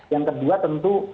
yang kedua tentu